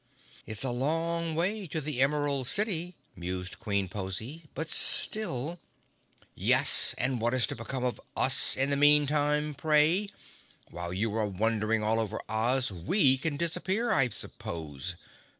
"It's a long way to the Emerald City," mused Queen Pozy, "but still—" "Yes, and what is to become of us in the meantime pray? While you are wandering all over Oz we can disappear I suppose!